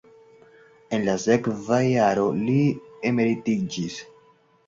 En la sekva jaro li emeritiĝis.